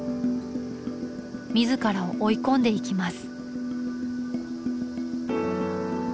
自らを追い込んでいきます。